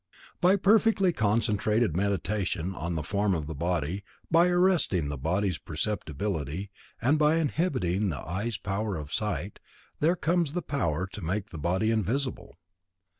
By perfectly concentrated Meditation on the form of the body, by arresting the body's perceptibility, and by inhibiting the eye's power of sight, there comes the power to make the body invisible.